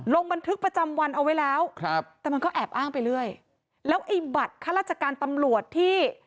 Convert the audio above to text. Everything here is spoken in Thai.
ลงบันทึกประจำวันเอาไว้แล้วครับแต่มันก็แอบอ้างไปเรื่อยแล้วไอ้บัตรข้าราชการตำรวจที่